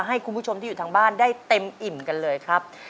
ให้คุณผู้ชมที่อยู่ทางบ้านได้เต็มอิ่มกันเลยครับ